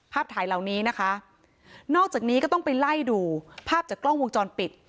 ถ่ายเหล่านี้นะคะนอกจากนี้ก็ต้องไปไล่ดูภาพจากกล้องวงจรปิด